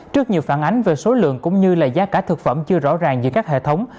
trước nhiều phản ánh về số lượng cũng như là giá cả thực phẩm chưa rõ ràng giữa các hệ thống